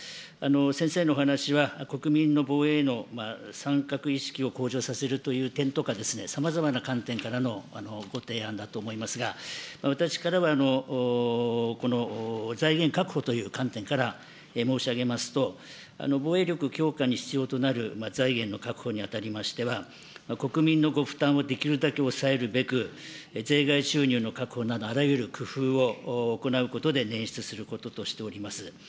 先生のお話は、国民の防衛への参画意識を向上させるという点とかですね、さまざまな観点からのご提案だと思いますが、私からはこの財源確保という観点から申し上げますと、防衛力強化に必要となる財源の確保にあたりましては、国民のご負担をできるだけ抑えるべく、税外収入の確保などあらゆる工夫を行うことで捻出することとしております。